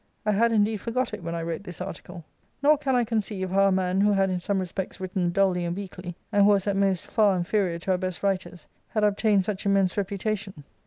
/ had indeed forgot it when I wrote this article* Nor can I conceive how a man who had in some respects written dully and weakly, and who was at most far inferior to our best writers, had obtained such immense reputation.